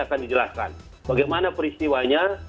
akan dijelaskan bagaimana peristiwanya